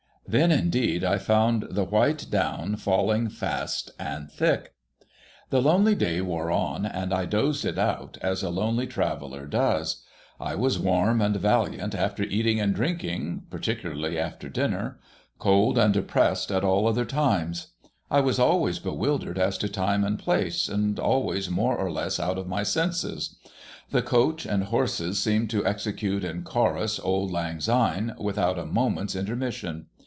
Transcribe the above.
Then, indeed, I found the white down falling fast and thick. The lonely day wore on, and I dozed it out, as a lonely traveller does. I was warm and valiant after eating and drinking, — par ticularly after dinner; cold and depressed at all other times. I was always bewildered as to time and place, and always more or less out of my senses. The coach and horses seemed to execute in chorus Auld Lang Syne, without a moment's intermission.